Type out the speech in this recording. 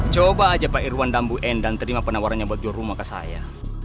coba saja pak irwan dan bu endang terima penawarannya buat jual rumah ke saya